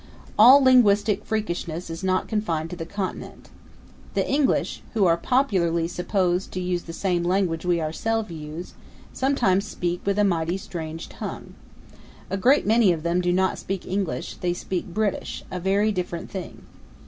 All linguistic freakishness is not confined to the Continent. The English, who are popularly supposed to use the same language we ourselves use, sometimes speak with a mighty strange tongue. A great many of them do not speak English; they speak British, a very different thing.